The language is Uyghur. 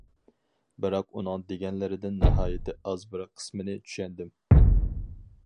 بىراق ئۇنىڭ دېگەنلىرىدىن ناھايىتى ئاز بىر قىسمىنى چۈشەندىم.